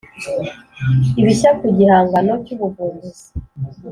ibishya ku gihangano cy ‘ubuvumbuzi